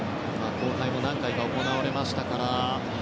何回か行われましたから。